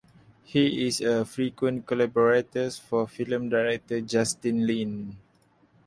He is a frequent collaborator for film director Justin Lin.